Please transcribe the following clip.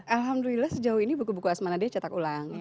alhamdulillah sejauh ini buku buku asma nadia catak ulang